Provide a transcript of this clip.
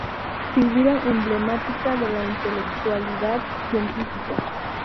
Figura emblemática de la intelectualidad científica.